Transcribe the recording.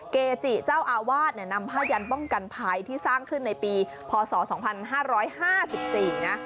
เกจิเจ้าอาวาสเนี่ยนำผ้ายันป้องกันภัยที่สร้างขึ้นในปีพศ๒๕๕๔นะ